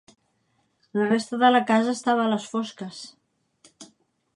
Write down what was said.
La resta de la casa estava a les fosques.